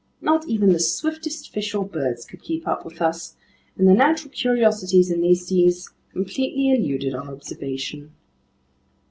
Not even the swiftest fish or birds could keep up with us, and the natural curiosities in these seas completely eluded our observation.